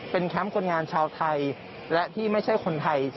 แคมป์คนงานชาวไทยและที่ไม่ใช่คนไทย